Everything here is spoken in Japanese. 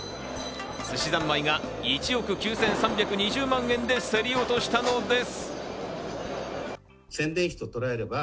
すしざんまいが１億９３２０万円で競り落としたのです。